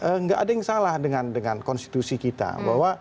tidak ada yang salah dengan konstitusi kita